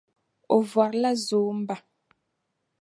O vɔri la zoomba.